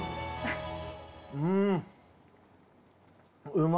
うん！